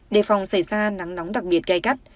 đề phòng xảy ra nắng nóng đặc biệt gai gắt